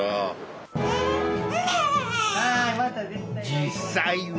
実際は。